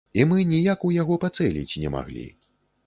І мы ніяк ў яго пацэліць не маглі.